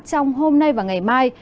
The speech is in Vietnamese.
trong hôm nay và ngày mai